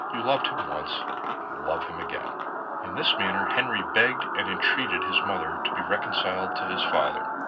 You loved him once, love him again.' "In this manner Henri begged and entreated his mother to be reconciled to his father.